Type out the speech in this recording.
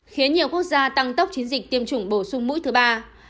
khiến nhiều quốc gia tăng tốc chiến dịch tiêm chủng bổ sung mũi thứ ba